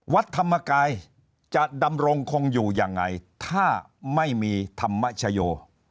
วัดธรรมกายจะดำรงคงอยู่ยังไงถ้าไม่มีธรรมชโย